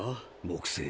木星。